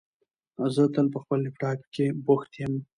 زه تل په خپل لپټاپ کېښې بوښت یم